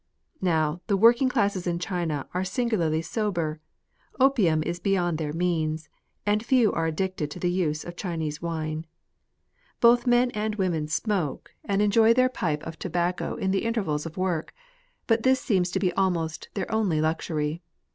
Now the working classes in China are singularly sober ; opium is beyond their means, and few are addicted to the use of Chinese wine. Both men and women smoke. 12 THE POSITION OF WOMEN. and enjoy their pipe of tobacco in the intervals of work ; but this seems to be almost their only luxury.